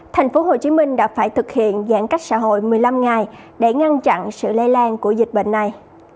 tp hcm đã phải thực hiện giãn cách xã hội một mươi năm ngày để ngăn chặn sự lây lan của dịch bệnh này